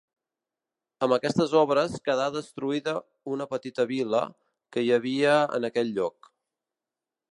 Amb aquestes obres quedà destruïda una petita vila que hi havia en aquell lloc.